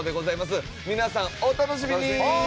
皆さんお楽しみに！